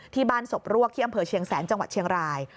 ที่บ้านศพรวกที่อำเภอเชียงแสนจังหวัดเชียงราย